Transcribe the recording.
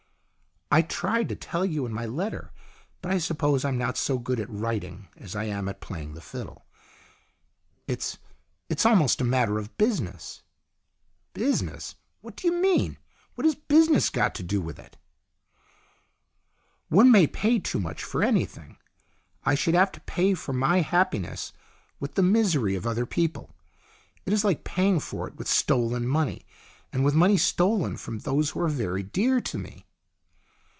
" I tried to tell you in my letter. But I suppose I'm not so good at writing as I am at playing the fiddle. It's it's almost a matter of business." "Business? What do you mean? What has business got to do with it ?"" One may pay too much for anything. I should have to pay for my happiness with the misery of other people. It is like paying for it with stolen money, and with money stolen from those who are very dear to me."